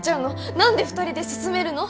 何で２人で進めるの？